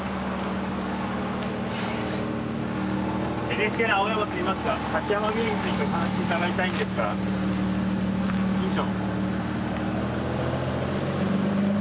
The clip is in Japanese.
ＮＨＫの青山といいますが滝山病院についてお話伺いたいんですが院長。